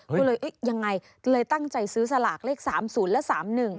ก็เลยตั้งใจซื้อสลากเลขสามศูนย์และสามหนึ่ง